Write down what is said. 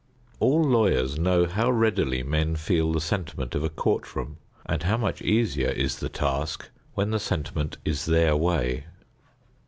All lawyers know how readily men feel the sentiment of a court room and how much easier is the task when the sentiment is their way.